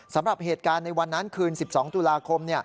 สำหรับเหตุการณ์ในวันนั้นคืน๑๒ตุลาคม